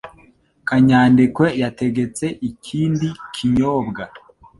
Kanyadekwe yategetse ikindi kinyobwa